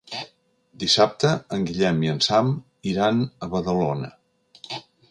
Dissabte en Guillem i en Sam iran a Badalona.